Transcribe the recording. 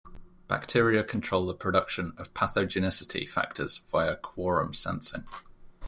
Bacteria control the production of pathogenicity factors via quorum sensing.